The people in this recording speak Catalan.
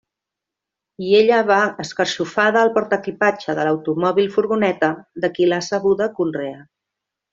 I ella va escarxofada al portaequipatge de l'automòbil furgoneta de qui l'ha sabuda conrear.